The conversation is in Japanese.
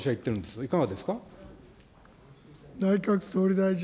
いかがですか。